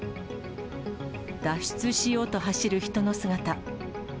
脱出しようと走る人の姿。